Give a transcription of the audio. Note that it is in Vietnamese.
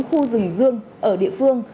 khu rừng dương ở địa phương